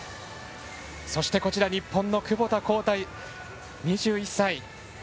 そして、日本の窪田幸太２１歳。